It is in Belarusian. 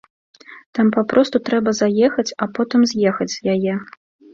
Там папросту трэба заехаць, а потым з'ехаць з яе.